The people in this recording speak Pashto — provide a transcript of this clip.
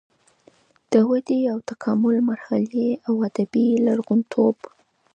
د ودې او تکامل مرحلې او ادبي لرغونتوب